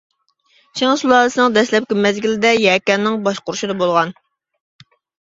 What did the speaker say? چىڭ سۇلالىسىنىڭ دەسلەپكى مەزگىلىدە يەكەننىڭ باشقۇرۇشىدا بولغان.